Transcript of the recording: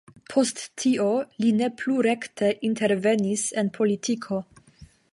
Post tio, li ne plu rekte intervenis en politiko.